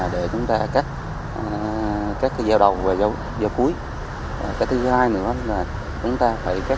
để của các bệnh nhân chuyên giá trị oic healthcare